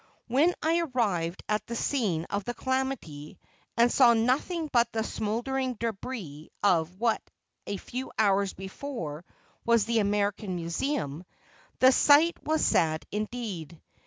When I arrived at the scene of the calamity and saw nothing but the smouldering debris of what a few hours before was the American Museum, the sight was sad indeed.